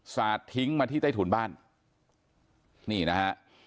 สาดทิ้งมาที่ใต้ถุนบ้านนี่นะฮะ